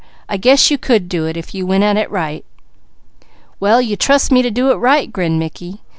"I guess you could do it, if you went at it right." "Well you trust me to do it right," grinned Mickey.